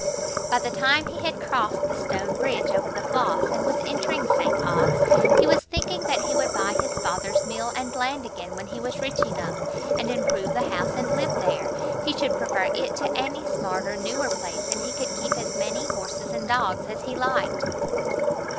By the time he had crossed the stone bridge over the Floss and was entering St Ogg's, he was thinking that he would buy his father's mill and land again when he was rich enough, and improve the house and live there; he should prefer it to any smarter, newer place, and he could keep as many horses and dogs as he liked.